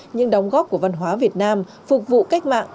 những đóng góp của văn hóa việt nam phục vụ cách mạng